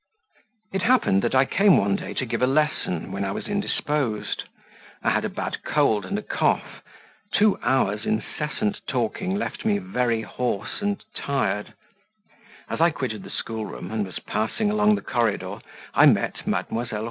It happened that I came one day to give a lesson when I was indisposed; I had a bad cold and a cough; two hours' incessant talking left me very hoarse and tired; as I quitted the schoolroom, and was passing along the corridor, I met Mdlle.